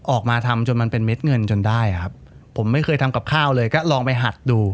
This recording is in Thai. ออกมาทำจนมันเป็นเม็ดเงินจนได้ครับผมไม่เคยทำกับข้าวเลยก็ลองไปหัดดู